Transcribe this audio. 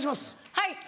はい。